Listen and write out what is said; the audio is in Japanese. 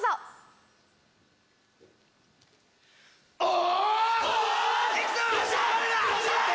お‼